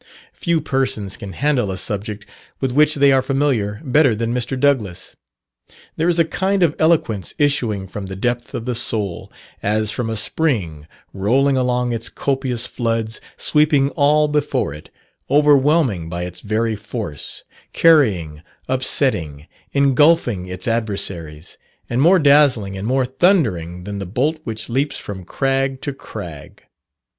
Few persons can handle a subject with which they are familiar better than Mr. Douglass. There is a kind of eloquence issuing from the depth of the soul, as from a spring, rolling along its copious floods, sweeping all before it, overwhelming by its very force, carrying, upsetting, engulphing its adversaries, and more dazzling and more thundering than the bolt which leaps from crag to crag.